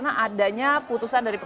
jatian epa jayante